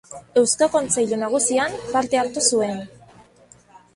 Eusko Kontseilu Nagusian parte hartu zuen.